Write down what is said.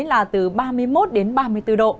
là từ ba mươi một đến ba mươi bốn độ